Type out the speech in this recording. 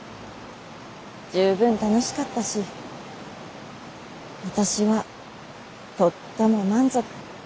十分楽しかったし私はとっても満足。